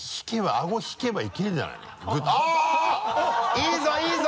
いいぞいいぞ！